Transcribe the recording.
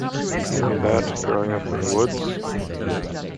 You knew that, growing up in the woods.